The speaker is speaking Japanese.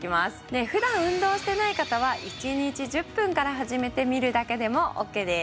普段運動してない方は１日１０分から始めてみるだけでもオッケーです。